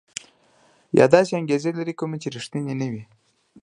یا داسې انګېزې لري کومې چې ريښتيني نه وي.